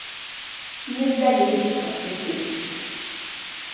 Не здалелі б, каб не ты.